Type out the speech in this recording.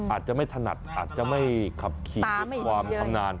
อาจจะไม่ถนัดอาจจะไม่ขับขี่หรือความชำนาญ